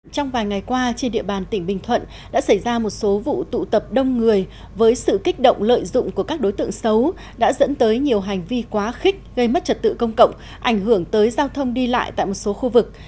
trong vài ngày qua trên địa bàn tỉnh bình thuận đã xảy ra một số vụ tụ tập đông người với sự kích động lợi dụng của các đối tượng xấu đã dẫn tới nhiều hành vi quá khích gây mất trật tự công cộng ảnh hưởng tới giao thông đi lại tại một số khu vực